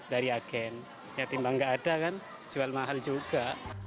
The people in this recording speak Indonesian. dari agen ya timbang nggak ada kan jual mahal juga